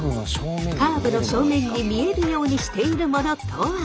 カーブの正面に見えるようにしているものとは？